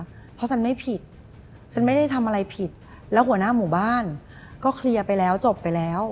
เพราะฉันไม่ผิดฉันไม่ได้ทำอะไรผิดแล้วหัวหน้าหมู่บ้านก็เคลียร์ไปแล้วจบไปแล้ว